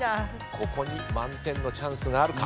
ここに満点のチャンスがあるか。